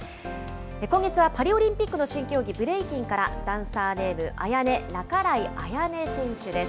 今月はパリオリンピックの新競技、ブレイキンからダンサーネーム、ＡＹＡＮＥ、半井彩弥選手です。